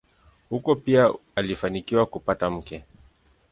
Huko pia alifanikiwa kupata mke.